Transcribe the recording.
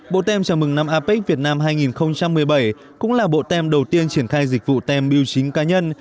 bộ tem chào mừng năm apec việt nam hai nghìn một mươi bảy cũng là bộ tem đầu tiên triển khai dịch vụ tem biêu chính cá nhân